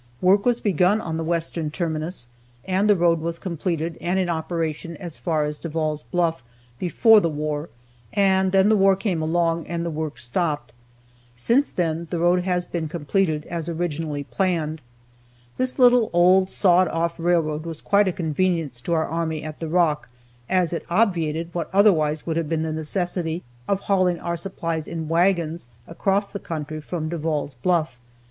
Work was begun on the western terminus, and the road was completed and in operation as far as Devall's Bluff before the war, and then the war came along and the work stopped. Since then the road has been completed as originally planned. This little old sawed off railroad was quite a convenience to our army at the Rock, as it obviated what otherwise would have been the necessity of hauling our supplies in wagons across the country from Devall's Bluff.